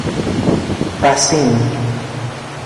بَسیم